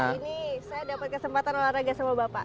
ini saya dapat kesempatan olahraga sama bapak